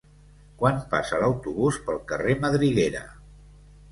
Quan passa l'autobús pel carrer Madriguera?